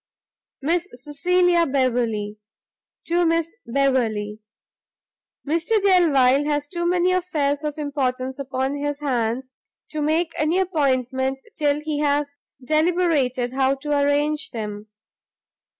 Miss Cecilia Beverley To Miss Beverley. Mr Delvile has too many affairs of importance upon his hands, to make any appointment till he has deliberated how to arrange them.